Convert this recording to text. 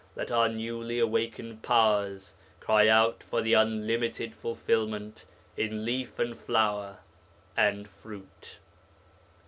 Let our newly awakened powers cry out for unlimited fulfilment in leaf and flower and fruit!